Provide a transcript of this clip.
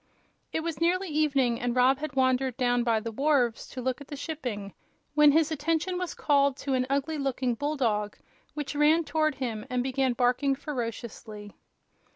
It was nearly evening, and Rob had wandered down by the wharves to look at the shipping, when his attention was called to an ugly looking bull dog, which ran toward him and began barking ferociously.